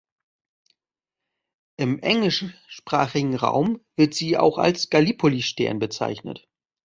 Im englischsprachigen Raum wird sie auch als „Gallipoli-Stern“ bezeichnet.